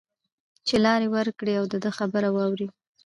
چې لار ورکړی او د ده خبره واوري